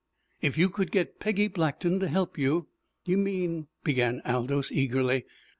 "If you could get Peggy Blackton to help you " "You mean " began Aldous eagerly.